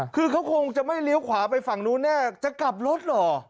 คือเขาคงจะไม่เลี้ยวขวาไปฝั่งนู้นแน่จะกลับรถเหรอ